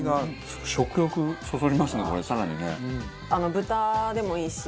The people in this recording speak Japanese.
豚でもいいし。